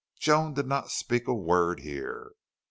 Joan did not speak a word here.